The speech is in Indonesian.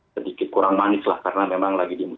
sedikit kurang manislah karena memang lagi di